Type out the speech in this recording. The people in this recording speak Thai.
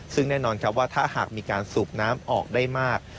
ซึ่งแน่นอนครับว่าถ้าหากมีการสูบน้ำออกได้มาก